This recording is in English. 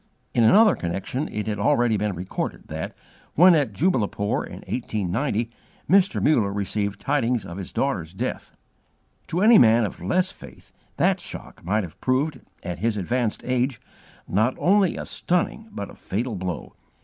In another connection it has already been recorded that, when at Jubbulpore in 1890, Mr. Muller received tidings of his daughter's death. To any man of less faith that shock might have proved, at his advanced age, not only a stunning but a fatal blow.